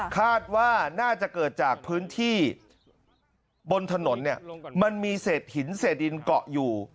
คาดว่าน่าจะเกิดจากพื้นที่บนถนนเนี่ยมันมีเศษหินเศษดินเกาะอยู่